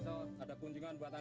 saya menopang darahnya beruzelan